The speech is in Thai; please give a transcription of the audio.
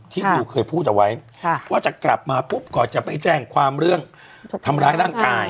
ที่หนูเคยพูดเอาไว้ว่าจะกลับมาปุ๊บก่อนจะไปแจ้งความเรื่องทำร้ายร่างกาย